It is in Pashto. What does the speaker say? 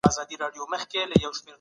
افغان کډوال بهر ته د سفر ازادي نه لري.